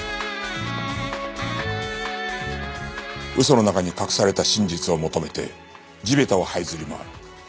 嘘の中に隠された真実を求めて地べたを這いずり回る